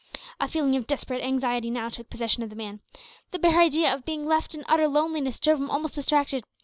A feeling of desperate anxiety now took possession of the man. The bare idea of being left in utter loneliness drove him almost distracted.